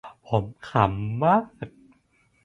ผมขำมาก